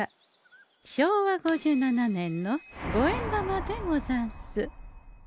昭和５７年の五円玉でござんす。